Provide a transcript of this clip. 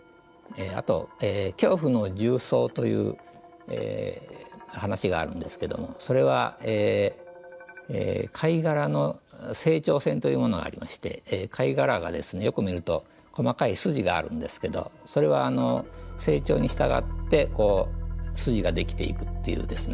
あと「恐怖の重層」という話があるんですけどもそれは貝殻の成長線というものがありまして貝殻がですねよく見ると細かい筋があるんですけどそれは成長に従ってこう筋ができていくっていうですね